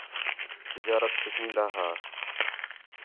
تجارت سِکھین٘دا ہا